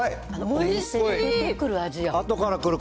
おいしい。